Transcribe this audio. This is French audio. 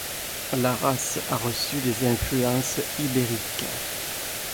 La race a reçu des influences ibériques.